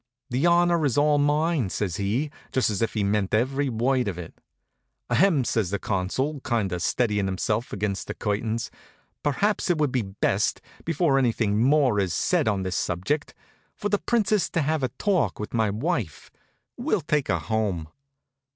"The honor is all mine," says he, just as if he meant every word of it. "Ahem!" says the Consul, kind of steadying himself against the curtains. "Perhaps it would be best, before anything more is said on this subject, for the Princess to have a talk with my wife. We'll take her home."